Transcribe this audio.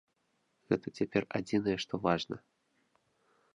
Гэта цяпер адзінае, што важна.